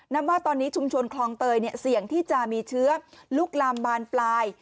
ว่าตอนนี้ชุมชนคลองเตยเสี่ยงที่จะมีเชื้อลุกลามบานปลาย